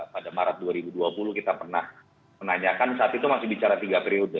pada maret dua ribu dua puluh kita pernah menanyakan saat itu masih bicara tiga periode